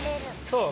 そう！